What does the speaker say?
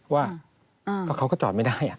ว่าเขาก็จอดไม่ได้